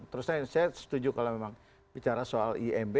terus saya setuju kalau memang bicara soal imb